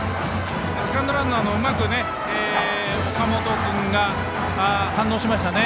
セカンドランナーの岡本君がうまく反応しましたね。